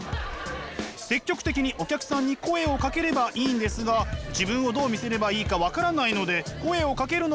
積極的にお客さんに声をかければいいんですが自分をどう見せればいいか分からないので声をかけるのも気が引けるんだとか。